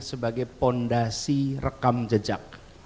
sebagai fondasi rekam jejak